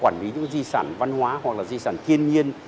trong hệ thống quản lý di sản văn hóa hoặc di sản thiên nhiên